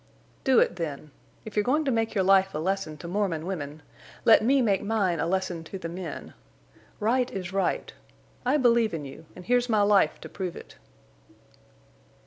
"Do it, then. If you're going to make your life a lesson to Mormon women, let me make mine a lesson to the men. Right is right. I believe in you, and here's my life to prove it."